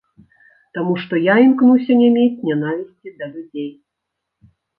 Таму што я імкнуся не мець нянавісці да людзей.